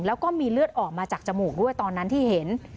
แล้วก็มีเลือดออกมาจากจมูกด้วยตอนนั้นที่เห็น